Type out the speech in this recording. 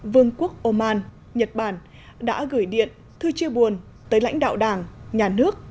vương quốc oman nhật bản đã gửi điện thư chia buồn tới lãnh đạo đảng nhà nước